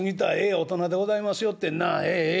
大人でございますよってんなあええええええ。